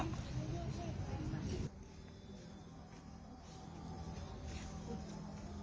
จากนี้